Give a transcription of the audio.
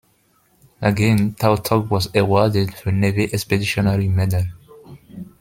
Again, "Tautog" was awarded the Navy Expeditionary Medal.